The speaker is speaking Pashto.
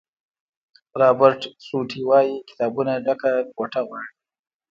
رابرټ سوټي وایي کتابونو ډکه کوټه غواړي.